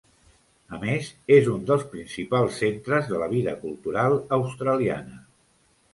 A més, és un dels principals centres de la vida cultural australiana.